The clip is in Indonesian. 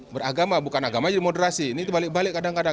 beragama bukan agama jadi moderasi ini itu balik balik kadang kadang